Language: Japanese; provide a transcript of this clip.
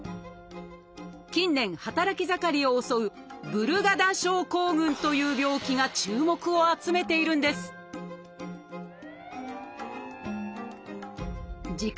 近年働き盛りを襲う「ブルガダ症候群」という病気が注目を集めているんです自覚